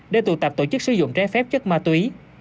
để tụ tập tổ chức sử dụng trái phép chất ma túy